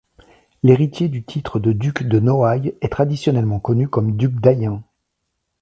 L'héritier du titre de duc de Noailles est traditionnellement connu comme duc d'Ayen.